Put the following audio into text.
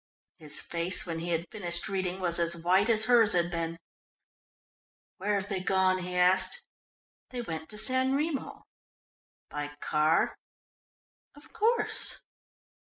His face, when he had finished reading, was as white as hers had been. "Where have they gone?" he asked. "They went to San Remo." "By car?" "Of course."